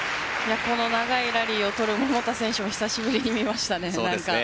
ラリーを取る桃田選手も久しぶりに見ましたね。